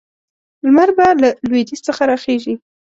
لمر به له لویدیځ څخه راخېژي.